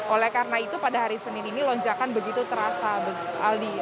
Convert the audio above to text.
oleh karena itu pada hari senin ini lonjakan begitu terasa aldi